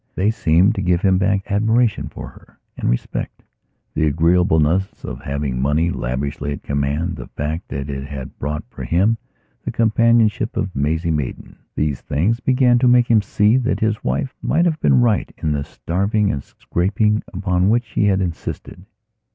They seemed to give him back admiration for her, and respect. The agreeableness of having money lavishly at command, the fact that it had bought for him the companionship of Maisie Maidanthese things began to make him see that his wife might have been right in the starving and scraping upon which she had insisted.